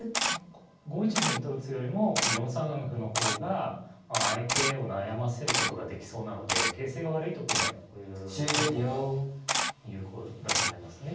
５一銀と打つよりもこの４三歩の方が相手を悩ませることができそうなので形勢が悪い時にはこういう手の方が有効だと思いますね。